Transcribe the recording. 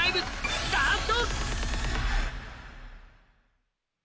スタート！